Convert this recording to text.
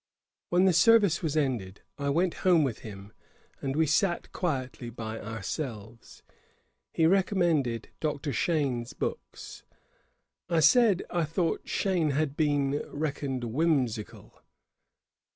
' When the service was ended, I went home with him, and we sat quietly by ourselves. He recommended Dr. Cheyne's books. I said, I thought Cheyne had been reckoned whimsical.